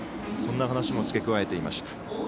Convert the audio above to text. そんな話も付け加えていました。